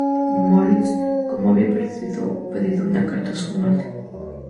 Moritz como había pedido en una carta a su madre.